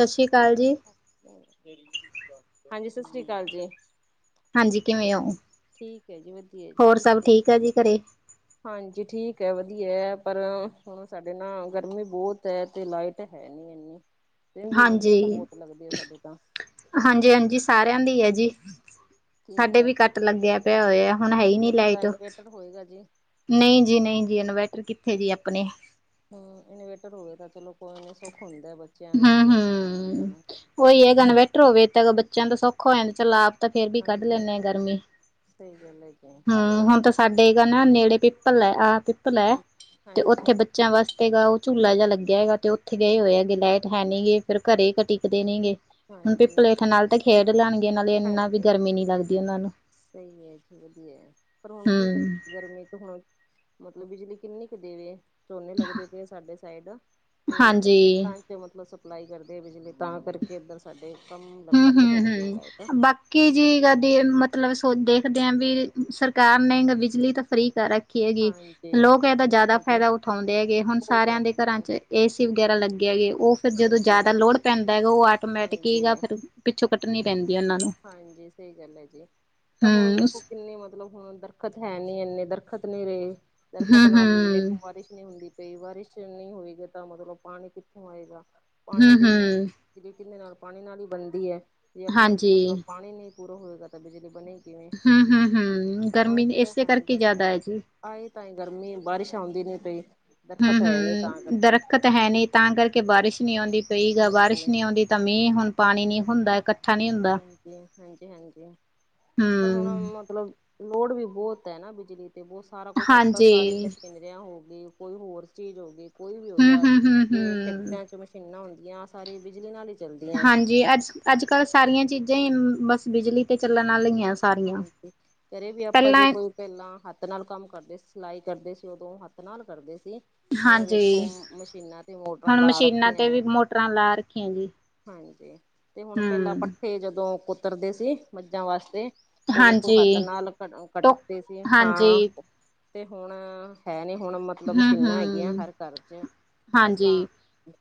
ਸਤ ਸ਼੍ਰੀ ਕਾਲ ਜੀ। ਹਾਂਜੀ, ਸਤ ਸ੍ਰੀ ਕਾਲ ਜੀ। ਹਾਂਜੀ, ਕਿਵੇਂ ਓ? ਠੀਕ ਐ ਜੀ, ਵਧੀਐ ਜੀ। ਤੁਸੀਂ ਦੱਸੋ? ਜੀ ਘਰੇ? ਹਾਂਜੀ ਠੀਕ ਐ, ਵਧੀਐ। ਪਰ ਹੁਣ ਸਾਡੇ ਨਾ ਗਰਮੀ ਬੌਤ ਐ ਤੇ ਲਾਈਟ ਹੈ ਨੀ, ਏਨ ਹੂੰ, ਰੈੰਦੀ ਨੀ ਕੱਟ ਬੌਤ ਲੱਗਦੇ ਆ, ਸਾਡੇ ਤਾਂ। ਹਾਂਜੀ ਹਾਂਜੀ, ਸਾਰਿਆਂ ਦੀ ਐ ਜੀ। ਕੀ ਸਾਡੇ ਪਤਾ ਵੀ ਕੱਟ ਲੱਗਿਆ ਪਿਆ ਹੋਇਆ, ਹੁਣ ਹੈ ਹੀ ਨੀ ਤੁਹਾਡੇ ਤਾਂ ਲਾਈਟ। ਇਨਵੇਟਰ ਹੋਏਗਾ ਜੀ ਨਹੀਂ ਜੀ ਨਹੀਂ ਜੀ, ਇਨਵਰਟਰ ਕਿੱਥੇ ਜੀ ਅਪਣੇ। ਹੂੰ, ਇਨਵੇਟਰ ਹੋਵੇ ਤਾਂ ਚਲੋ ਕੋਈ ਨੀ ਸੁੱਖ ਹੁੰਦੈ ਬੱਚਿਆਂ ਨੂੰ ਤੇ ਸਾਨੂੰ। ਓਈ ਹੈਗਾ ਇਨਵੈਟਰ ਹੋਵੇ ਤਾਂ ਬੱਚਿਆਂ ਦਾ ਸੌਖਾ ਹੋ ਜਾਂਦੈ, ਚਲ ਆਪ ਤਾਂ ਫੇਰ ਵੀ ਕੱਢ ਹਾਂਜੀ ਲੈਂਣੇ ਆ ਗਰਮੀ। ਸਹੀ ਗੱਲ ਹੈ ਜੀ ਹੂੰ, ਹੁਣ ਤਾਂ ਸਾਡੇ ਏਗਾ ਨਾ ਨੇੜੇ ਪਿੱਪਲ ਐ, ਆਹ ਪਿੱਪਲ ਐ। ਹਾਂਜੀ ਤੇ ਹਾਂਜੀ ਓਥੇ ਬੱ ਬੱਚਿਆਂ ਵਾਸਤੇ ਗਾ ਓਹ ਝੂਲਾ ਜਿ ਲੱਗੇਆ ਹੈਗਾ ਤੇ ਓਥੇ ਗਏ ਹਾਂਜੀ ਹੋਏ ਹੈਗੇ, ਲੈਟ ਹੈ ਨੀ ਗੇ ਫੇਰ ਘਰੇ ਕ ਟੀਕਦੇ ਨੀਗੇ, ਹੁਣ ਵੀ ਹਾਂਜੀ ਪਲੇਠ ਨਾਲ ਢੱਕ ਖੇਡ ਲੈਣਗੇ, ਨਾਲੇ ਏਨਾ ਵੀ ਹਾਂਜੀ ਗਰਮੀ ਨੀ ਲੱਗਦੀ ਉਹਨਾਂ ਨੂੰ। ਸਹੀ ਏ ਜੀ ਵਧੀਐ। ਪਰ ਹੁਣ ਕੀ ਕ ਹੂੰ ਗਰਮੀ ਤੇ ਹੁਣ ਮਤਲਬ ਬਿਜਲੀ ਕਿੰਨੀ ਕੁ ਦੇਵੇ? ਝੋਨੇ ਲੱਗਦੇ ਪਏ ਆ ਸਾਡੇ ਸਾਈਡ ਤੇੇ ਓਹ ਹਾਂਜੀ। ਖੇਤਾਂ ਮਤਲਬ ਸਪਲਾਈ ਕਰਦੇ ਆ ਬਿਜਲੀ ਤਾਂ ਕਰਕੇ ਇੱਧਰ ਸਾਡੇ ਕੰਮ ਹੂੰ, ਘੱਟ ਹੂੰ, ਛੱਡਦੇ ਐ ਲਾਈਟ। ਹੂੰ। ਬਾਕੀ ਜੀ ਕਦੀ ਮਤਲਬ ਸੋ ਦੇਖਦੇ ਆ ਵੀ ਸਰਕਾਰ ਨੇਂਗਾ ਬਿਜਲੀ ਤਾਂ ਫ੍ਰੀ ਕਰ ਰ ਖੀ ਹੈਗੀ, ਹਾਂਜੀ ਲੋਕ ਐਦਾ ਹਾਂਜੀ ਜੈਦਾ ਹਾਂਜੀ ਫੈਦਾ ਉਠਾਉਂਦੇ ਹੈਗੇ। ਹੁਣ ਬਹੁਤ ਸਾਰਿਆਂ ਦੇ ਜ਼ਿਆਦਾ ਘਰਾਂ ਜੀ ਚ ਏ ਸੀ ਵਗੈਰਾ ਲੱਗੇ ਹੈਗੇ ਉਹ ਫਿਰ ਜਦੋਂ ਹਾਂਜੀ ਜ਼ਿਆਦਾ ਲੋੜ ਪੈਂਦਾ ਹੈਗਾ ਉਹ ਆਟੋਮੈਟਿਕ ਹੀ ਨਾ ਹਾਂਜੀ ਫਿਰ ਪਿੱਛੋਂ ਕੱਟਣੀ ਪੈਂਦੀ ਆ ਉਹਨਾਂ ਨੂੰ। ਹਾਂਜੀ ਸਹੀ ਗੱਲ ਐ ਜੀ ਤਾਂ ਹੁਣ ਹੂੰ, ਵੇਖੋ ਕਿੰਨੇ ਮਤਲਬ ਹੁਣ ਅੰਦਰ ਦਰਖਤ ਹੈ ਨੀ ਇੰਨੇ ਦਰਖਤ ਨਹੀ ਰਹੇ। ਹੂੰ, ਦਰਖਤ ਨਾਲ ਹੂੰ। ਦੇਖੋ ਬਾਰਿਸ਼ ਨੀ ਹੁੰਦੀ ਪਈ ਬਾਰਿਸ਼ ਨਹੀਂ ਹੋਏਗੀ ਤਾਂ ਮਤਲਬ ਪਾਣੀ ਕਿੱਥੋਂ ਆਏਗਾ ਹੂੰ, ਪਾਣੀ ਦੇ ਨਾਲ ਹੂੰ ਬਿਜਲੀ ਕਿੰਦੇ ਨਾਲ ਪਾਣੀ ਨਾਲ ਹੀ ਬਣਦੀ ਐ ਜੇ ਆਪਣੇ ਮਤਲਬ ਹਾਂਜੀ ਪਾਣੀ ਨਹੀਂ ਪੂਰਾ ਹੋਏਗਾ ਤਾਂ ਬਿਜਲੀ ਬਣੇਗੀ ਹੂੰ-ਹੂੰ-ਹੂੰ ਗਰਮੀ ਤਾਂ ਇਸੇ ਹੈ ਕਰਕੇ ਗਰਮੀ ਜ਼ਿਆਦਾ ਹੈ ਜੀ। ਆਏ ਤਾਂਏ ਗਰਮੀ ਬਾਰਿਸ਼ ਆਉਂਦੀ ਨੀ ਪਈ ਦਰਖ਼ਤ ਹੈ ਨੀ ਤਾਂ ਕਰਕੇ। ਤਾਂ ਹੈ ਨੀ ਤਾਂ ਕਰਕੇ ਬਾਰਿਸ਼ ਨੀ ਆਉਂਦੀ ਪਈ ਗੀ ਹਾਂਜੀ ਬਾਰਿਸ਼ ਨਹੀਂ ਆਉਂਦੀ ਤਾਂ ਮੀਂਹ ਹੁਣ ਪਾਣੀ ਨੀ ਹੁੰਦਾ ਇਕੱ ਠਾ ਨੀ ਹੁੰਦਾ। ਹਾਂਜੀ ਹਾਂਜੀ ਹਾਂਜੀ ਪਰ ਹੁਣ ਹੂੰ, ਮਤਲਬ ਲੋੜ ਵੀ ਬਹੁਤ ਐ ਨਾ ਬਿਜਲੀ ਤੇ ਬਹੁਤ ਸਾਰਾ ਕੁਛ ਅੱਜ-ਕੱਲ੍ਹ ਸਾਰੇ ਹਾਂਜੀ। ਮਸ਼ੀਨਰਿਆਂ ਹੋ ਗਈ ਕੋਈ ਹੋਰ ਚੀਜ਼ ਹੋ ਗਈ। ਕੋਈ ਵੀ ਹੋਗਿਆ ਤੇ ਹੂੰ-ਹੂੰ-ਹੂੰ-ਹੂੰ। ਫੈਕਟਰੀਆਂ ਚ ਮਸ਼ੀਨਾਂ ਹੁੰਦੀਆਂ ਸਾਰੇ ਬਿਜਲੀ ਨਾਲ ਈ ਹਾਂਜੀ ਅੱਜ ਅੱਜ-ਕੱਲ੍ਹ ਸਾਰੀਆਂ ਚੀਜ਼ਾਂ ਹੀ ਬਸ ਬਿਜਲੀ ਤੇ ਚੱਲਣ ਆਲੀਆਂ। ਸਾਰੀਆਂ। ਹਾਂਜੀ ਘਰੇ ਵੀ ਆਪਾਂ ਜੇ ਪਹਿਲਾਂ ਕੋਈ ਪਹਿਲਾਂ ਹੱਥ ਨਾਲ ਕੰਮ ਕਰਦੇ ਸੀ ਸਿਲਾਈ ਕਰਦੇ ਸੀ ਉਦੋਂ ਹੱਥ ਨਾਲ ਕਰਦੇ ਸੀ। ਹੁਣ ਵੇਖੋ ਹਾਂਜੀ ਮਸ਼ੀਨਾਂ ਤੇ ਮੋਟਰਾਂ ਹੁਣ ਲਾ ਮਸ਼ੀਨਾਂ ਰੱਖੀਏ। ਤੇ ਵੀ ਮੋਟਰਾਂ ਲਾ ਰੱਖੀਆਂ ਜੀ। ਹਾਂਜੀ ਤੇ ਹੁਣ ਪਹਿਲਾਂ ਹੂੰ, ਪੱਠੇ ਜਦੋਂ ਕੁਤਰਦੇ ਸੀ ਮੱਝਾਂ ਵਾਸਤੇ ਉਹ ਵੇਖੋ ਹਾਂਜੀ ਹੱਥ ਨਾਲ ਕਟ, ਟੋ ਕਟਦੇ ਸੀ ਹਾਂਜੀ ਹਾਂ ਤੇ ਹੁਣ ਹੈ ਨੀ ਹੁਣ ਮਤਲਬ ਮਸ਼ੀਨਾਂ ਹੂੰ-ਹੂੰ, ਹੈਗੀਆਂ ਹਰ ਘਰ ਚ। ਅਸਾਂ ਹਾਂਜੀ।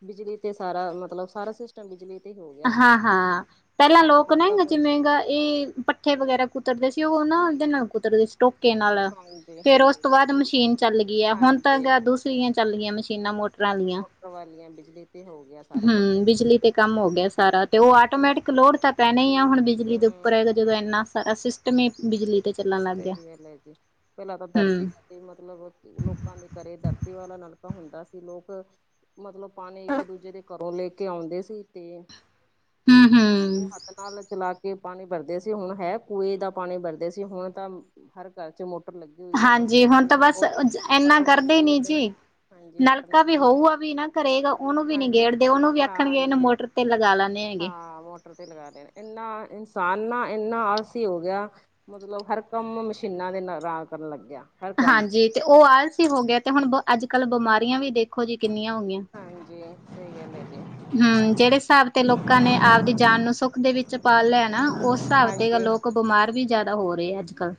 ਬਿਜਲੀ ਤੇ ਸਾਰਾ ਮਤਲਬ ਸਾਰਾ ਸਿਸ ਟਮ ਬਜਲੀ ਤੇ ਹੋ। ਗਿਆ ਹਾਂ ਹਾਂ ਪਹਿਲਾਂ ਹੱਥ ਲੋਕ ਨਾਲ ਨਾ ਤਾਂ ਕੋਈ ਜਿਵੇਂਗਾ ਇਹ ਪਠੇ ਵਗੈਰਾ ਕੁਤਰਦੇ ਸੀ ਉਹ ਨਾ ਉਹਦੇ ਨਾਲ ਕੁਤਰਦੇ ਸੀ ਟੋਕੇ ਨਾਲ। ਹਾਂਜੀ ਫੇਰ ਉਸ ਹਾਂਜੀ ਤੋਂ ਬਾਅਦ ਮਸ਼ੀਨ ਚੱਲ ਗਈ ਆ ਹੁਣ ਹਾਂਜੀ ਤਾਂ ਦੂਸਰੀਆਂ ਚੱਲ ਗਈਆਂ ਮਸ਼ੀਨਾਂ ਮੋਟਰ ਪਰਾਲਿਆ ਮੋਟਰ ਵਾਲੀਆਂ ਬਿਜਲੀ ਤੇ ਹੋ ਗਿਆ ਸਾਰਾ ਕੁਛ ਹੂੰ ਬਿਜਲੀ ਤੇ ਕੰਮ ਹੋ ਗਿਆ ਹਮ ਤੇ ਉਹ ਆਟੋਮੈਟਿਕ ਲੋੜ ਤਾਂ ਪੈਣਾ ਹੀ ਆ। ਹੁਣ ਬਿਜਲੀ ਦੇ ਹਮ ਉੱਪਰ ਹੈਗਾ ਜਦੋਂ ਇੰਨਾ ਸਾਰਾ ਸਿਸਟਮ ਹੀ ਬਿਜਲੀ ਤੇ ਚੱਲਣ ਲੱਗ ਗਿਆ। ਸਹੀ ਗੱਲ ਹੈ ਜੀ ਪਹਿਲਾ ਤਾਂ ਦਰਤੀ ਤੇ ਮਤਲਬ ਲੋਕਾਂ ਦੇ ਘਰੇ ਦਰਤੀ ਵਾਲਾ ਨਲਕਾ ਹੁੰਦਾ ਸੀ। ਲੋਕ ਮਤਲਬ ਪਾਣੀ ਇੱਕ ਦੂਜੇ ਦੇ ਘਰੋਂ ਲੈ ਕੇ ਆਉਂਦੇ ਸੀ ਤੇ ਹੂੰ-ਹੂੰ ਹਥਾ ਨਾਲ ਚਲਾ ਕੇ ਪਾਣੀ ਭਰਦੇ ਸੀ। ਹੁਣ ਹੈ ਕੁੂਏ ਦਾ ਪਾਣੀ ਭਰਦੇ ਸੀ। ਤੇ ਹੁਣ ਤਾਂ ਹਰ ਘਰ ਚ ਲੱਗੀ ਹੋਈ ਹੈ ਬਸ ਹਾਂਜੀ ਹੁਣ ਬਟਨ ਤਾਂ ਬਸ ਨੱਪੋ ਇਨਾ ਬਟਨ ਕਰਦੇ ਨੱਪੋ ਨੀ ਤੇ ਜੀ ਹਾਂਜੀ ਬਟਨ ਨਲਕਾ ਵੀ ਨੱਪੋ ਤੇ ਹੋਊਗਾ ਵੀ ਨਾ ਘਰੇਗਾ ਉਹਨੂੰ ਵੀ ਨੀ ਹਾਂਜੀ ਗੇੜਦੇ ਉਹਨੂੰ ਵੀ ਆਖਣਗੇ ਇਹਨੂੰ ਹਾਂਜੀ ਮੋਟਰ ਤੀਨ ਜਾਣੇ ਨੀ ਹੈਗੇ। ਹਾਂ ਮੋਟਰ ਤੇ ਲਗਾ ਲੈ। ਇੰਨਾ ਇਨਸਾਨ ਨਾ ਇੰਨਾ ਆਲਸੀ ਹੋ ਗਿਆ ਮਤਲਬ ਹਰ ਕੰਮ ਮਸ਼ੀਨਾਂ ਦੇ ਰਾਹ ਕਰਨ ਲੱਗ ਗਿਆ। ਹਾਂਜੀ ਤੇ ਉਹ ਆਲਸੀ ਹੋ ਗਿਆ ਤੇ ਹੁਣ ਅੱਜ-ਕੱਲ ਬਿਮਾਰੀਆਂ ਵੀ ਦੇਖੋ ਜੀ ਕਿੰਨੀਆਂ ਹੋ ਗਈਆਂ। ਹਾਂਜੀ। ਸਹੀ ਗੱਲ ਐ ਜੀ। ਹਮ ਜਿਹੜੇ ਹਿਸਾਬ ਤੇ ਲੋਕਾਂ ਨੇ ਆਪ ਦੀ ਜਾਨ ਨੂੰ ਸੁੱਖ ਦੇ ਵਿੱਚ ਪਾ ਲਿਆ ਹੈ, ਨਾ ਉਸ ਹਿਸਾਬ ਤੇ ਹਾਂਜੀ ਲੋਕ ਬਿਮਾਰ ਵੀ ਜ਼ਿਆਦਾ ਹੋ ਰਹੇ ਆ ਅੱਜ ਕੱਲ।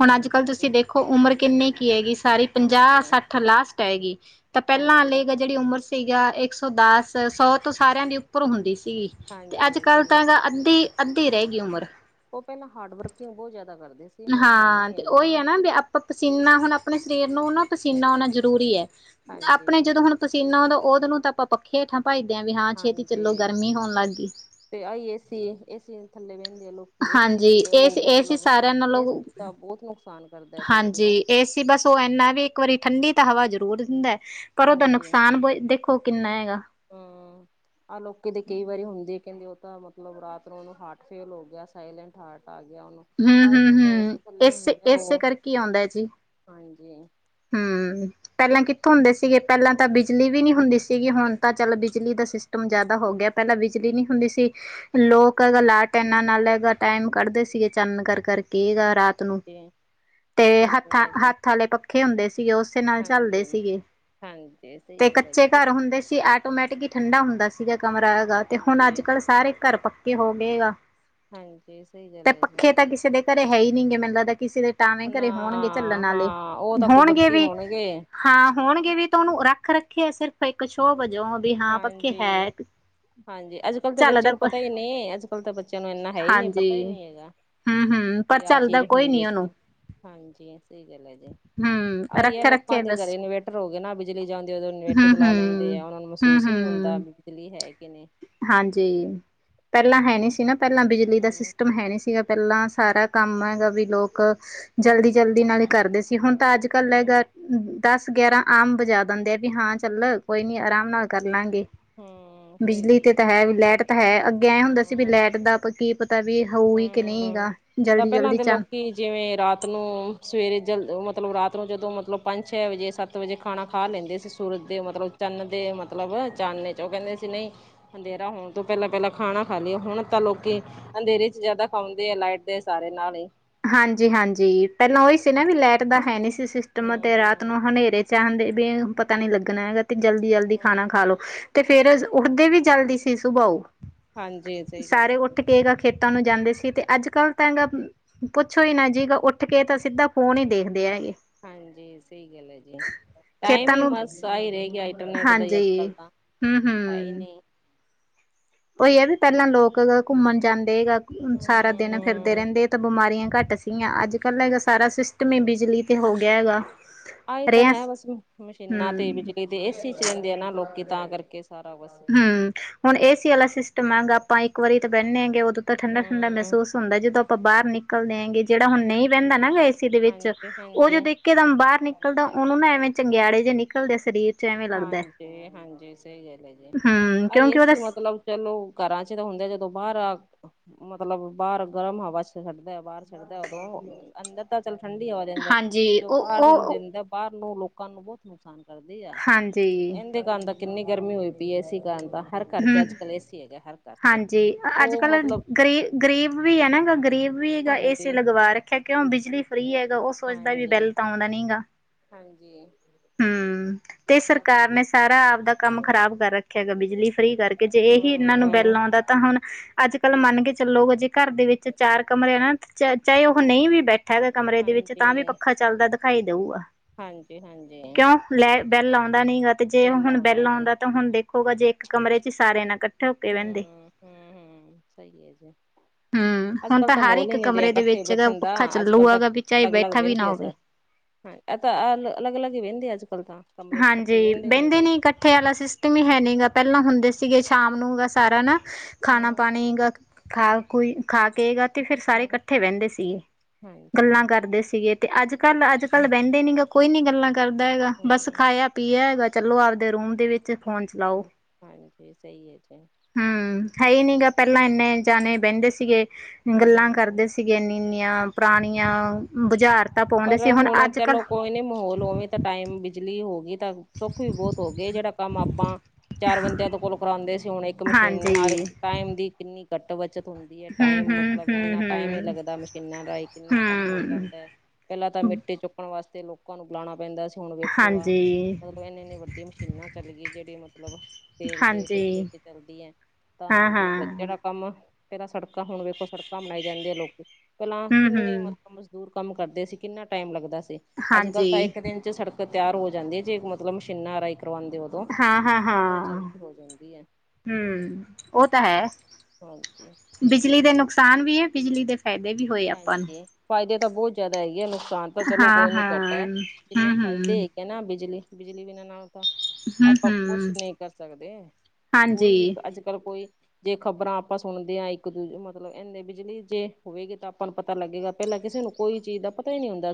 ਹੁਣ ਅੱਜ ਕੱਲ ਹਾਂਜੀ ਤੁਸੀਂ ਤੇ ਦੇਖੋ ਉਮਰ ਕਿੰਨੀ ਕੀ ਹੈਗੀ। ਸਾਰੀ ਹਾਂਜੀ ਪੰਜਾਹ-ਸੱਠ ਲਾਸਟ ਐਗੀ ਤਾਂ ਪਹਿਲਾਂ ਹਾਂਜੀ ਆਲੀ ਗਾ ਜਿਹੜੀ ਉਮਰ ਸੀਗਾ ਇੱਕ ਸੌ ਦਸ ਸੌ ਤੋਂ ਸਾਰਿਆਂ ਦੀ ਉੱਪਰ ਹੁੰਦੀ ਸੀਗੀ ਤੇ ਹਾਂਜੀ ਅੱਜ-ਕੱਲ੍ਹ ਸਹੀ ਤਾਂ ਹੈ ਐਗਾ ਅੱਧੀ ਅੱਧੀ ਰੈਗਈ ਉਮਰ। ਉਹ ਪੈਲਾਂ ਹਾਰਡ ਵਰਕਿੰਗ ਬਹੁਤ ਜਾਦਾ ਕਰਦੇ ਸੀ। ਹੁਣ ਹੈ ਹਾਂ, ਨੀ ਤੇ ਇਨਾ ਉਹੀ ਐ ਨਾ ਵੀ ਆਪਾਂ ਪਸੀਨਾ ਹੁਣ ਆਪਣੇ ਸਰੀਰ ਨੂੰ ਨਾ ਪਸੀਨਾ ਆਉਣਾ ਜ਼ਰੂਰੀ ਐ। ਹਾਂਜੀ ਆਪਣੇ ਜਦੋਂ ਹੁਣ ਪਸੀਨਾ ਆਉਂਦਾ, ਉਦੋਂ ਨੂੰ ਤਾਂ ਆਪਾਂ ਪੱਖੇ ਹੇਠਾਂ ਭੱਜਦੇ ਆ ਵੀ ਹਾਂ ਛੇਤੀ ਚੱਲੋ ਹਾਂਜੀ ਗਰਮੀ ਹੋਣ ਲੱਗ ਗੀ। ਤੇ ਆਈ ਏ ਸੀ, ਏ ਸੀ ਦੇ ਥੱਲੇ ਬਹਿੰਦੇ ਆਂ। ਏ ਸੀ ਦੇ ਹਾਂਜੀ ਥੱਲੇ ਇਹ ਉਹ ਇਹ ਸੀ ਮਤਲਬ ਸਾਰਿਆਂ ਏ ਨਾਲੋਂ ਸੀ ਤਾ ਬਹੁਤ ਨੁਕਸ ਹਾਂਜੀ, ਏ ਸੀ ਬਸ ਉਹ ਇਨ੍ਹਾਂ ਵੀ ਇੱਕ ਵਾਰੀ ਠੰਢੀ ਤਾਂ ਹਵਾ ਜ਼ਰੂਰ ਦਿੰਦੈ ਪਰ ਉਹਦਾ ਨੁਕਸਾਨ ਬ ਦੇਖੋ ਕਿੰਨਾ ਹੈਗਾ। ਹਾ ਆਹ ਲੋਕੀ ਤੇ ਕਈ ਵਾਰੀ ਹੁੰਦੀ ਕਹਿੰਦੇ, ਉਹ ਤਾਂ ਮਤਲਬ ਰਾਤ ਨੂੰ ਉਹਨੂੰ ਹਾਰਟ ਫੇਲ ਹੋ ਗਿਆ, ਸਾਇਲੈਂਟ ਹਾਰਟ ਆ ਗਿਆ ਉਹਨੂੰ। ਹੂੰ ਆ ਇਹ ਹੂੰ ਤੇ ਹੁੰਦੈ, ਏ ਹੂੰ। ਸੀ ਥੱਲੇ ਇਸੇ ਹੁੰਦੈ ਇਸੇ ਓ, ਕਰਕੇ ਹਾਂਜੀ। ਹਮ ਪੈਲਾਂ ਕਿੱਥੋਂ ਹੁੰਦੇ ਸੀਗੇ, ਪੈਲਾਂ ਤਾਂ ਬਿਜਲੀ ਵੀ ਨੀ ਹੁੰਦੀ ਸੀਗੀ, ਹੁਣ ਤਾਂ ਚੱਲ ਬਿਜਲੀ ਦਾ ਸਿਸ ਸਟਮ ਜਾਦਾ ਹੋ ਗਿਆ, ਪੈਲਾਂ ਬਿਜਲੀ ਨੀ ਹੁੰਦੀ ਸੀ। ਲੋਕ ਲਾਲਟੈਨਾਂ ਨਾਲ ਟੈਮ ਕੱਢਦੇ ਸੀਗੇ ਚਾਨਣ ਕਰ ਕਰ ਕੇ ਘਰ। ਓਕੇ ਤੇ ਹੱਥਾਂ ਹੱਥ ਆਲੇ ਪੱਖੇ ਹੁੰਦੇ ਸੀਗੇ, ਉਸੇ ਨਾਲ ਹਾਂਜੀ ਝਲਦੇ ਸੀਗੇ। ਹਾਂਜੀ ਤੇ ਗੱਲ ਹੈ ਜੀ ਕੱਚੇ ਤੇ ਘਰ ਹੁੰਦੇ ਸੀ ਆਟੋਮੈਟਿਕ ਹੀ ਠੰਡਾ ਹੁੰਦਾ ਸੀਗਾ ਕਮਰਾ ਹੈਗਾ ਤੇ ਹੁਣ ਅੱਜ ਹਾਂਜੀ ਕੱਲ੍ਹ ਸਾਰੇ ਘਰ ਪੱਕੇ ਹੋਗੇ ਆ। ਹਾਂਜੀ, ਸਹੀ ਗੱਲ ਐਂ ਜੀ। ਤਾਂ ਕਿਸੇ ਦੇ ਘਰੇ ਹੈ ਈ ਨੀ ਗੇ ਮੈੰਨ ਲੱਗਦੈ ਕਿਸੇ ਦੇ ਟਾਵੇਂ ਨਾ ਘਰੇ ਹੋਣਗੇ ਝੱਲਣ ਆਲੇ, ਹਾਂ ਉਹ ਤਾਂ ਹੋਣਗੇ ਕੁਦਰਤੀ ਵੀ ਹੋਣਗੇ ਹਾਂ, ਹੋਣਗੇ ਵੀ ਤਾਂ ਉਹਨੂੰ ਰੱਖ ਰੱਖੇ ਸਿਰਫ ਇੱਕ ਸ਼ੋ ਵਜੋਂ ਵੀ ਹਾਂ ਪੱਖੇ ਹੈ। ਹਾਂਜੀ ਹਾਂਜੀ, ਅੱਜ ਕੱਲ ਦੇ ਬੱਚਿਆਂ ਚੱਲਦਾ ਨੂੰ ਕੋਈ ਪਤਾ ਹੀ ਨੀ। ਅੱਜ ਕੱਲ੍ਹ ਤਾਂ ਬੱਚਿਆਂ ਨੂੰ ਇੰਨਾ ਹੈ ਈ ਨੀ ਹਾਂਜੀ ਪਤਾ ਹੀ ਨੀ ਹੈਗਾ। ਹੂੰ ਹੂੰ ਪਰ ਵੀ ਆਹ ਚੱਲਦਾ ਚੀਜ਼ ਕੋਈ ਹੁੰਦੀ ਨੀ ਉਹਨੂੰ ਸੀ। ਹਾਂਜੀ, ਸਹੀ ਗੱਲ ਐ ਜੀ। ਹੂੰ ਆਈ ਏ ਰੱਖੇ ਲੋਕਾਂ ਰੱਖੇ ਦੇ ਬਸ ਘਰੇ ਇਨਵੇਟਰ ਹੋਗੇ ਨਾ, ਬਿਜਲੀ ਜਾਂਂਦੀ ਉਦੋਂ ਇਨਵੇਟਰ ਹੂੰ ਚਲਾ ਹੂੰ ਲੈਂਦੇ ਐਂ। ਉਹਨਾਂ ਨੂੰ ਹੂੰ ਮਹਿਸੂਸ ਈ ਨੀ ਹੁੰਦਾ, ਹੂੰ ਵੀ ਬਿਜਲੀ ਹੈ ਕਿ ਨਈ। ਹਾਂਜੀ, ਪੈਲਾਂ ਹੈ ਨੀ ਸੀ ਨਾ, ਪੈਲਾਂ ਬਿਜਲੀ ਦਾ ਹਮ ਸਿਸਟਮ ਹੈ ਨੀ ਸੀਗਾ। ਪੈਲਾਂ ਸਾਰਾ ਕੰਮ ਐਗਾ ਵੀ ਲੋਕ ਜਲਦੀ ਜਲਦੀ ਨਾਲ ਈ ਕਰਦੇ ਸੀ। ਕਿ ਹੁਣ ਤਾਂ ਅੱਜ ਕੱਲ ਹਮ ਹੈਗਾ ਦਸ ਗਿਆਰਾਂ ਆਮ ਬਜਾ ਦਿੰਦੇ ਆ, ਵੀ ਹਾਂ ਚੱਲ ਕੋਈ ਨੀ ਆਰਾਮ ਨਾਲ ਕਰਲਾਂਗੇ। ਹਮ ਸਹੀ ਬਿਜਲੀ ਗੱਲ ਤੇ ਤਾਂ ਜੀ ਹੈ ਵੀ ਲਾਈਟ ਤਾਂ ਹੈ, ਅੱਗੇ ਐ ਹੁੰਦਾ ਸੀ ਵੀ ਹਮ ਲਾਈਟ ਦਾ ਅਪਾਂ ਕੀ ਪਤਾ ਵੀ ਹੋਈ [unintelligible] ਹਮ, ਤਾਂ ਪੈਲਾਂ ਦੇ ਲੋਕ ਕਿ ਜਿਵੇਂ ਰਾਤ ਨੂੰ ਸਵੇਰੇ ਜਲ ਮਤਲਬ ਰਾਤ ਨੂੰ ਜਦੋਂ ਮਤਲਬ ਪੰਜ ਛੇ ਵਜੇ ਸੱਤ ਸੱਤ ਵਜੇ ਖਾਣਾ ਖਾ ਲੈਂਦੇ ਸੀ, ਸੂਰਜ ਦੇ ਮਤਲਬ ਚੰਨ ਦੇ ਮਤਲਬ ਚਾਨਨੇ ਚ। ਉਹ ਕਹਿੰਦੇ ਸੀ ਨਈ ਅੰਧੇਰਾ ਹੋਣ ਤੋਂ ਪੈਲਾਂ ਪੈਲਾਂ ਖਾਣਾ ਖਾ ਲੀਏ। ਹੁਣ ਤਾਂ ਲੋਕੀ ਅੰਧੇਰੇ ਜਾਦਾ ਖਾਉਂਦੇ ਆ ਲਾਈਟ ਦੇ ਸਾਰੇ ਨਾਲ ਏ। ਹਾਂਜੀ ਹਾਂਜੀ, ਪੈਲਾਂ ਉਹੀ ਸੀ ਨਾ ਵੀ ਲਾਈਟ ਦਾ ਹੈ ਨੀ ਸੀ ਸਿਸਟਮ ਤੇ ਰਾਤ ਹੂੰ ਨੂੰ ਹਨੇਰੇ ਚਾਹਣ ਦੇ ਵੀ ਪਤਾ ਨੀ ਲੱਗਣਾ ਹੈਗਾ ਤੇ ਜਲਦੀ ਜਲਦੀ ਖਾਣਾ ਖਾ ਲੋ। ਤੇ ਫੇਰ ਉੱਠਦੇ ਵੀ ਜ਼ਲਦੀ ਸੀ ਸੁਬਾਂ ਉਹ। ਹਾਂਜੀ ਸਹੀ ਗੱਲ ਸਾਰੇ ਹੈ ਜੀ ਉੱਠ ਕੇ ਗਾ ਖੇਤ ਤਾਂ ਨੂੰ ਜਾਂਦੇ ਸੀ ਤੇ ਅੱਜ ਕਲ ਤਾਂ ਐਂ ਗਾ ਪੁੱਛੋ ਈ ਨਾ ਜੀਗਾ, ਉੱਠ ਕੇ ਤਾਂ ਸਿੱਧਾ ਫੋਨ ਹੀ ਦੇਖਦੇ ਐਗੇ। ਹਾਂਜੀ, ਸਹੀ ਗੱਲ ਐਂ ਜੀ। ਟਾਈਮ ਖੇਤਾਂ ਹੀ ਨੂੰ ਬਸ ਆਈ ਰਹਿ ਗਿਆ ਇੰਟਰਨੈਟ ਦਾ ਹੀ ਅੱਜ ਹਾਂਜੀ ਕੱਲ ਤਾਂ। ਹੂੰ ਹੈ ਈ ਨੀ। ਓਹੀ ਆ ਵੀ ਪਹਿਲਾਂ ਲੋਕ ਘੁੰਮਣ ਜਾਂਦੇ ਸਾਰਾ ਦਿਨ। ਹੂੰ ਫਿਰਦੇ ਰਹਿੰਦੇ ਤਾਂ ਬਿਮਾਰੀਆਂ ਘੱਟ ਸੀਗੀਆਂ ਅੱਜ ਕੱਲ੍ਹ ਹੈਗਾ ਸਾਰਾ ਸਿਸਟਮ ਹੀ ਬਿਜਲੀ ਤੇ ਹੋ ਗਿਆ ਹੈਗਾ। ਆਏ ਤਾਂ ਰਿਹਾ ਹੈ ਬਸ ਮਸ਼ੀਨਾਂ ਤੇ ਹਮ ਬਿਜਲੀ ਤੇ ਏ -ਸੀ ਚ ਰਹਿੰਦੇ ਆ ਨਾ ਲੋਕੀ ਤਾਂ ਕਰਕੇ ਸਾਰਾ ਬਸ। ਹਮ ਹੁਣ ਏ ਸੀ ਵਾਲਾ ਸਿਸਟਮ ਹੈਗਾ ਆਪਾਂ ਇੱਕ ਵਾਰੀ ਤੇ ਬਹਿਨੇ ਗੇ ਉਦੇ। ਤਾਂ ਠੰਡਾ -ਠੰਡਾ ਹੂੰ ਮਹਿਸੂਸ ਹੁੰਦਾ ਜਦੋਂ ਆਪਾਂ ਬਾਹਰ ਨਿਕਲਦੇ ਹੈਗੇ। ਕੇੜਾ ਹੁਣ ਨਹੀਂ ਬਹਿੰਦਾ ਨਾ ਗਾ ਫੇਰ ਏੇ-ਸੀ ਵਿੱਚ ਹਾਂਜੀ ਉਹ ਹਾਂਜੀ ਜਦੋਂ। ਇੱਕਦਮ ਬਾਹਰ ਨਿਕਲਦਾ ਉਹਨੂੰ ਨਾ ਐਵੇਂ ਚੰਗਿਆੜੇ ਜਿਹੇ ਨਿਕਲਦੇ ਸਰੀਰ। ਚ ਐਵੇਂ ਲੱਗਦਾ ਹਾਂਜੀ- ਹਾਂਜੀ ਸਹੀ ਗੱਲ ਹੈ ਜੀ ਹਮ ਆ ਕਿਉਂਕਿ ਉਹਦਾ ਏ-ਸੀ ਮਤਲਬ ਚਲੋ ਘਰਾਂ ਚ ਤਾ ਹੁੰਦੇ ਆ ਜਦੋਂ ਆ ਬਾਰ ਆ। ਮਤਲਬ ਬਾਰ ਗਰਮ ਹਵਾ ਚ ਛੱਡਦਾ ਬਾਰ ਛੱਡਦਾ ਉਦੋਂ ਅੰਦਰ ਤਾਂ ਚੱਲ ਠੰਡੀ ਹਵਾ। ਦਿੰਦਾ ਹਾਂਜੀ ਉਹ ਬਾਹਰ ਨੂੰ ਉਹ ਦਿੰਦਾ ਬਾਹਰ ਨੂੰ ਲੋਕਾਂ ਨੂੰ ਬਹੁਤ ਨੁਕਸਾਨ ਕਰਦੀ ਆ। ਹਾਂਜੀ ਇਨਦੇ ਕਾਰਨ ਤਾ ਕਿੰਨੀ ਗਰਮੀ ਹੋਈ ਪਈ ਐ। ਏ-ਸੀ ਕਾਰਨ ਦਾ ਹਰ ਘਰ ਚ ਹਮ ਅੱਜ ਕੱਲ ਏ-ਸੀ ਹੈਗਾ ਹਰ ਘਰ। ਚ ਹਾਂਜੀ ਅੱਜ ਉਹ ਕੱਲ੍ਹ ਮਤਲਬ ਗਰੀਬ -ਗਰੀਬ ਵੀ ਹੈ ਨਾ ਗਾ ਗਰੀਬ ਵੀ ਗਾ ਏ- ਸੀ ਹਾਂਜੀ ਲਗਵਾ ਰੱਖ ਫਿਰ ਕਿਉਂ ਬਿਜਲੀ ਫਰੀ ਹੈਗਾ ਓਹ ਸੋਚਦਾ ਵੀ ਹਾਂਜੀ ਬਿੱਲ ਤਾਂ ਆਉਂਨਾ ਨੀ ਗਾ। ਹਾਂਜੀ ਹਮ ਤੇ ਸਰਕਾਰ ਨੇ ਸਾਰਾ ਆਪਦਾ ਕੰਮ ਖ਼ਰਾਬ ਕਰ ਰੱਖਿਆ ਗਾ ਬਿਜਲੀ। ਫਰੀ ਕਰਕੇ ਜੇ ਇਹੀ ਇਹਨਾਂ ਨੂੰ ਹੂੰ। ਬਿੱਲ ਆਉਂਦਾ ਤਾਂ ਹੁਣ ਅੱਜ ਕੱਲ ਮੰਨ ਕੇ ਚੱਲੋ ਜੇ। ਘਰ ਦੇ ਵਿੱਚ ਚਾਰ ਕਮਰੇ ਨਾ ਚਾਹੇ ਉਹ ਨਹੀ ਵੀ ਬੈਠਾ ਹੈਗਾ ਤਾ ਵੀ ਕਮਰੇ ਦੇ ਵਿੱਚ ਤਾਂ ਵੀ ਹਾਂਜੀ, ਪੱਖਾ ਚੱਲਦਾ ਦਖਾਈ ਦਊਗਾ। ਹਾਂਜੀ ਹਾਂਜੀ। ਕਿਉਂ ਲੈ ਤੇ ਬਿੱਲ ਆਉਂਦਾ ਨੀ ਗਾ ਤੇ ਜੇ ਵੇਲਾ ਹੁਣ ਬਿੱਲ ਨੀ। ਆਉਂਦਾ ਤਾਂ ਹੁਣ ਦੇਖ। ਉਹੋ ਗਾ ਜੇ ਇੱਕ ਕਮਰੇ ਚ ਸਾਰੇ ਨਾਲ ਕੱਠੇ। ਹੂੰ - ਹੂੰ -ਹਮ ਸਹੀਏ ਜੇ। ਹੂੰ, ਹੁਨ ਤਾਂ ਹਰ ਇੱਕ ਕਮਰੇ ਦੇ ਵਿੱਚ ਬੈਠਣ ਦਾ ਪੱਖਾ ਅੱਜ ਕੱਲ੍ਹ ਚੱਲੂਗਾ ਤਾਂ ਗ ਵੀ ਚਾਹੇ ਅਲੱਗ ਅਲੱਗ ਬੈਠਾ ਵੀ ਨਾ ਬਹਿੰਦੇ ਆ ਹੋਵੇ। ਸਰ। [inaudible] ਹਾਂ ਐ ਤਾਂ ਅਲੱਗ ਅਲੱਗ ਹੀ ਵਹਿੰਦੇ ਆ ਅੱਜ ਕੱਲ੍ਹ ਤਾਂ। ਕਮਰੇ ਚ ਇਕੱਠੇ ਹਾਂਜੀ ਬਹਿੰਦੇ ਕੋਈ। ਨੀ ਇਕੱਠ। ਕੱਠੇ ਵਾਲਾ ਸਿਸਟਮ ਈ ਹੈ ਨੀ ਗਾ ਪਹਿਲਾਂ ਹੁੰਦੇ ਸੀਗੇ ਸ਼ਾਮ ਨੂੰ ਗ ਸਾਰਾ ਨਾ। ਖਾਨਾ ਹੂੰ, ਪਾਨੀ ਗ ਖਾਓ। ਕੋਈ ਖਾ ਕੇ ਗਾ ਤੇ ਫੇਰ ਸਾਰੇ ਹੂੰ ਇਕੱਠੇ ਬਹਿੰਦੇ ਸੀਗੇ ਹਾਂਜੀ, ਗੱਲਾਂ ਕਰਦੇ ਸੀਗੇ। ਤੇ ਅੱਜ-ਕੱਲ੍ਹ, ਅੱਜ-ਕੱਲ ਬਹਿੰਦੇ ਨੀ ਗੇ ਕੋਈ ਨੀ ਗੱਲਾਂ ਕਰਦਾ ਹੈਗਾ ਬਸ ਹੂੰ, ਖਾਇਆ। ਪੀਯਾ ਹੈਗਾ ਚਲੋ! ਆਵਦੇ ਰੂਮ ਦੇ ਵਿੱਚ ਫੋਨ ਚਲਾਓ। ਹਾਂਜੀ ਸਹੀ ਹੈ ਜੀ ਹਮ ਹੈ ਈ ਨੀ ਗਾ ਪਹਿਲਾਂ ਇੰਨੇ ਜਾਨੇ ਬਹਿੰਦੇ ਸੀਗੇ ਗੱਲਾਂ ਹੂੰ। ਕਰਦੇ ਸੀ। ਸੀਗੇ ਇਨੀ ਇੰਨੀਆਂ ਪੁਰਾਨਿਆਂ। ਬੁਝਾਰਤਾਂ ਪਓ। ਪਰ ਹੁਣ ਚੱਲੋ ਕੋਈ ਨੀ ਮਾਹੌਲ ਉਵੇਂ ਤਾਂ ਟਾਈਮ ਬਿਜਲੀ ਹੋ ਗਈ ਏ ਤਾਂ ਸੁੱਖ ਵੀ ਬਹੁਤ ਹੋ ਗਏ ਜਿਹੜਾ ਕੰਮ ਆਪਾਂ ਚਾਰ ਬੰਦਿਆਂ ਦੇ ਕੋਲੋ ਕਰਾਉਂਦੇ ਸੀ ਹੁਨ ਇੱਕ ਇੱਕ ਮਸ਼ੀਨ ਨਾਲ ਹਾਂਜੀ ਟਾਈਮ ਦੀ। ਕਿੰਨੀ ਕੱਟ ਬੱਚਤ ਹੁੰਦੀ ਐ। ਟਾਈਮ ਮਤਲਬ ਇੰਨਾ ਟਾਈਮ ਨਈ ਹੂੰ-ਹੂੰ-ਹੂੰ-ਹੂੰ-ਹੂੰ ਲੱਗਦਾ ਮਸ਼ੀਨਾਂ ਰਾਹੀਂ ਕਿੰਨਾ ਕੰਮ ਹੋ ਜਾਂਦਾ ਐ। ਪਹਿਲਾਂ ਤਾਂ ਮਿੱਟੀ ਚੁੱਕਣ ਵਾਸਤੇ ਲੋਕਾਂ ਨੂੰ ਬੁਲਾਉਣਾ ਪੈਂਦਾ ਸੀ ਹੁਣ ਵੇਖੋ ਆ। ਹਾਂਜੀ ਇੰਨੀ -ਇੰਨੀ ਵੱਡੀ ਮਸ਼ੀਨਾਂ ਚੱਲ ਗਈ ਜੈੜੀ ਮਤਲਬ। ਤੇਲ ਤੇ ਬਿਜਲੀ ਹਾਂਜੀ ਤੇ ਚੱਲਦੀ ਅ। ਤਾਂ ਹਾਂ-ਹਾਂ ਮਤਲਬ ਜੇੜਾ। ਕੰਮ ਪਹਿਲਾਂ ਸੜਕਾਂ ਹੁਣ ਵੇਖੋ ਸੜਕਾਂ ਬਣਾਈ ਜਾਂਦੀ ਆ ਲੋਕੀ ਪਹਿਲਾਂ ਕਿੰਨੇ। ਹੂੰ-ਹੂੰ ਮਜ਼ਦੂਰ ਕੰਮ ਕਰਦੇ ਸੀ। ਕਿੰਨਾ ਟਾਈਮ ਲੱਗਦਾ ਸੀ ਅੱਜ ਕੱਲ੍ਹ ਹਾਂਜੀ ਤਾਂ ਇੱਕ ਦਿਨ ਚ ਸੜਕ। ਤੇ ਤਿਆਰ ਹੋ ਜਾਂਦੀ ਜੇ ਮਤਲਬ ਮਸ਼ੀਨਾਂ ਰਾਈ ਕਰਵਾਉਂਦੇ ਔ। ਹਾਂ-ਹਾਂ, ਹਾਂ ਹੈ ਹੂੰ ਉਹ ਤਾਂ ਹੈ। ਹਾਂਜੀ ਠੀਕ ਹੈ ਬਿਜਲੀ ਦੇ ਨੁਕਸਾਨ ਵੀ ਏ ਬਿਜਲੀ ਦੇ ਫੈਦੇ ਵੀ ਹੋਏ। ਆਪਾਂ ਨੂੰ ਹਾਂਜੀ ਫ਼ਾਇਦੇ ਤਾਂ ਬੋਤ ਜਾਦਾ ਹੈਗੇ ਐ ਨੂ ਸਾਨ ਤਾ ਚਲੋ ਕੋਈ ਨੀ ਹਾਂ-ਹਾਂ ਕੱਟ ਐ ਜਿੰਨੇ ਹੂੰ-ਹੂੰ ਫਾਇਦੇ ਹੇਗੇ ਨਾ ਬਿਜਲੀ-ਬਿਜਲੀ ਬਿਨਾਂ ਨਾ ਤਾਂ ਆਪਾਂ ਕੁਛ ਹੂੰ-ਹੂੰ ਨੀ ਕਰ ਸਕਦੇ ਕੋਈ ਵੀ ਹਾਂਜੀ ਅੱਜ ਕੱਲ ਕੋਈ ਜੇ ਖ਼ਬਰਾਂ ਆਪਾਂ ਸੁਣਦੇ ਆ ਇੱਕ ਦੂ ਮਤਲਬ ਇਨੇ ਬਿਜਲੀ ਜੇ ਹੋਵੇਗੀ ਤਾਂ ਤਾਨੂੰ ਨੂੰ ਪਤਾ ਲੱਗੇਗਾ ਪੈਲਾਂ ਕਿਸੇ ਨੂੰ ਕੋਈ ਚੀਜ਼ ਦਾ ਪਤਾ ਹੀ ਨੀ ਹੁੰਦਾ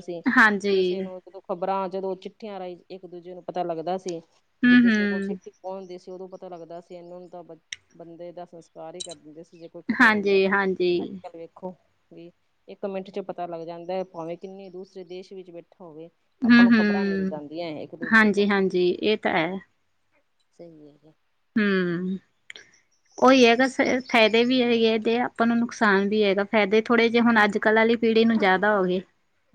ਕਿਸੀ ਹਾਂਜੀ, ਨੂੰ ਜਦੋਂ ਖ਼ਬਰਾਂ ਜਦੋਂ ਚਿੱਠੀਆਂ ਰਾਈ ਇੱਕ ਦੂਜੇ ਨੂੰ ਪਤਾ ਲੱਗਦਾ ਸੀ। ਵੀ ਕਿਸੇ ਕੋਲ ਹੂੰ-ਹੂੰ, ਚਿੱਠੀ ਪੋਦੀ ਸੀ ਉਦੋਂ ਪਤਾ ਪਤਾ ਲੱਗਦਾ ਸੀ ਇਨਾਂ ਨੂੰ ਤਾਂ ਬੰਦੇ ਦਾ ਸੰਸਕਾਰ ਹੀ ਕਰ ਦਿੰਦੇ ਸੀ ਜੇ ਕੋਈ ਖਤਮ ਹੁੰਦਾ ਤਾਂ ਅੱਜ ਹਾਂਜੀ-ਹਾਂਜੀ। ਕੱਲ ਵੇ ਖੋ ਵੀ ਇੱਕ ਮਿੰਟ ਚ ਪਤਾ ਲੱਗ ਜਾਂਦਾ ਐ ਭਾਵੇਂ ਕਿੰਨੇ ਦੂਸਰੇ ਦੇਸ਼ ਵਿੱਚ ਬੈਠਾ ਹੋਵੇ। ਆਪਾਂ ਨੂੰ ਖ਼ਬਰਾਂ ਮਿਲ ਹੂੰ-ਹੂੰ, ਜਾਂਦੀਆਂ ਇੱਕ ਦੂਜੇ ਤੋਂ, ਹਾਂਜੀ-ਹਾਂਜੀ ਇਹ ਤਾਂ ਹੈ, ਸਈ ਹੇਗਾ। ਹੂੰ। ਉਹੀ ਐ ਹੈਗਾ ਫੇਰ ਫਾਇਦੇ ਵੀ ਹੈਗੇ ਤੇ ਆਪਾਂ ਨੂੰ ਨੁਕਸਾਨ ਵੀ ਹੈਗਾ ਫਾਇਦੇ ਥੋੜ੍ਹੇ ਜੇਹੇ ਹੁਣ ਅੱਜ ਕੱਲ ਆਲੀ ਪੀੜੀ ਨੂੰ ਜਾਦਾ ਹੋ ਗਏ।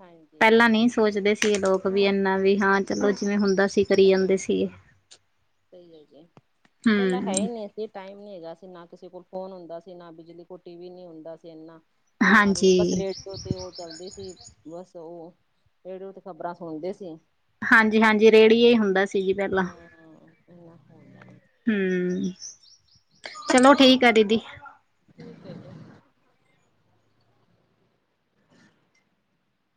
ਹਾਂਜੀ ਪੈਲਾਂ ਨੀ ਸੋਚਦੇ ਸੀ ਏ ਲੋਕ ਵੀ ਐਨਾ ਵੀ ਹਾਂ ਚਲੋ ਜਿਵੇਂ ਹੁੰਦਾ ਸੀ ਕਰੀ ਜਾਂਦੇ ਹੂੰ ਸੀਗੇ। ਸਈ ਐ ਜੀ ਪੈਲਾਂ ਹੂੰ, ਹੈ ਹੀ ਨਈ ਤੇ ਟਾਈਮ ਨੀ ਹੈਗਾ ਸੀ ਨਾ ਕਿਸੇ ਕੋਲ ਫੋਨ ਹੁੰਦਾ ਸੀ ਨਾ ਬਿਜਲੀ ਕੋਈ ਟੀ ਵੀ ਨੀ ਹੁੰਦਾ ਸੀ ਐਨਾ। ਤੇ ਨਾ ਰੇ ਬਸ ਹਾਂਜੀ। ਰੇਟ ਤੇ ਉਹ ਚੱਲਦੇ ਸੀ ਬਸ ਉਹ ਰੇੜਓ ਤੇ ਖ਼ਬਰਾਂ ਸੁਣਦੇ ਸੀ। ਹਾਂਜੀ-ਹਾਂਜੀ ਰੇੜੀਏ ਹੀ ਹੁੰਦਾ ਸੀ ਜੀ ਪੈਲਾਂ। [inaudible] ਹੂੰ ਚਲੋ ਠੀਕ ਐ ਦੀਦੀ। [inaudible]